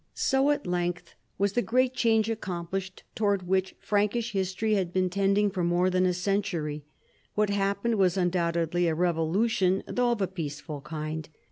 So at length was the great change accomplished towards which Frankish history had been tending for more than a century. What happened was un doubtedly a revolution, though of a peaceful kind.